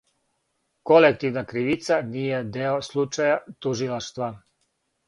Колективна кривица није део случаја тужилаштва.